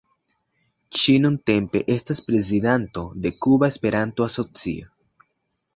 Ŝi nuntempe estas prezidanto de Kuba Esperanto-Asocio.